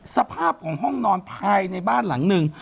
สภาพของห้องนอนภายในบ้านหลังหนึ่ง